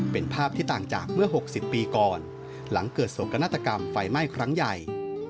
เป็นภาพที่ต่างจากเมื่อ๖๐ปีก่อนหลังเกิดโศกนาฏกรรมไฟไหม้ครั้งใหญ่